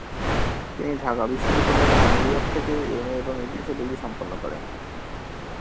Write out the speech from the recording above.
তিনি ঢাকা বিশ্ববিদ্যালয়ের আইন বিভাগ থেকে এমএ এবং ইতিহাসে ডিগ্রী সম্পন্ন করেন।